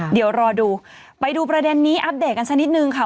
เดี๋ยวรอดูไปดูประเด็นนี้อัปเดตกันสักนิดนึงค่ะ